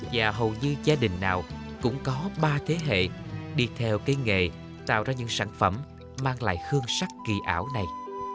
và hầu như gia đình nào cũng có ba thế hệ đi theo cái nghề tạo ra những sản phẩm mang lại hương sắc kỳ ảo này